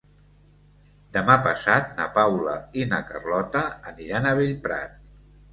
Demà passat na Paula i na Carlota aniran a Bellprat.